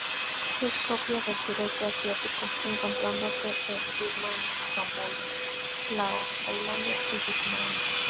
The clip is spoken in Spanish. Es propia del Sureste Asiático, encontrándose en Birmania, Camboya, Laos, Tailandia y Vietnam.